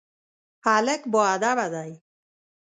هلک باادبه دی.